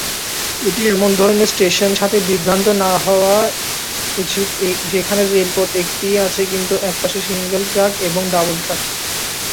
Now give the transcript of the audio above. এটি এমন ধরনের স্টেশনের সাথে বিভ্রান্ত না হওয়া উচিত যেখানে রেলপথ একটিই আছে, কিন্তু একপাশে সিঙ্গেল-ট্র্যাক এবং অন্যদিকে ডাবল-ট্র্যাক।